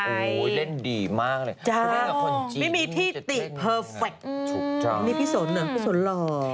โอ้ยเล่นดีมากเลยเค้าเล่นกับคนจีนไม่มีที่ติเปอร์เฟคต์นี่พี่สนเหรอพี่สนหล่อ